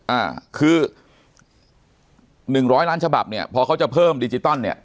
อ่าคือหนึ่งร้อยล้านฉบับเนี่ยพอเขาจะเพิ่มดิจิตอลเนี่ย